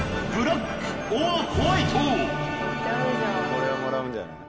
これはもらうんじゃない？